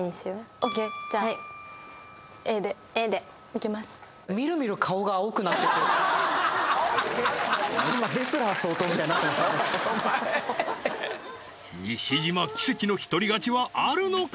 お前西島奇跡の一人勝ちはあるのか？